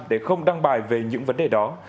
để không đăng bài về những vấn đề đó